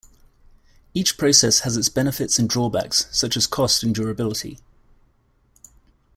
Each process has its benefits and drawbacks such as cost and durability.